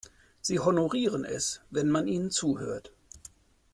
Sie honorieren es, wenn man ihnen zuhört.